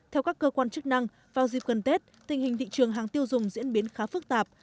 theo các cơ quan chức năng vào dịp gần tết tình hình thị trường hàng tiêu dùng diễn biến khá phức tạp